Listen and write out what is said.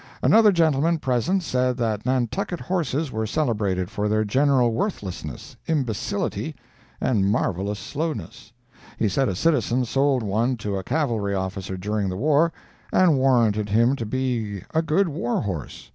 Another gentleman present said that Nantucket horses were celebrated for their general worthlessness, imbecility, and marvellous slowness. He said a citizen sold one to a cavalry officer during the war, and warranted him to be a good war horse.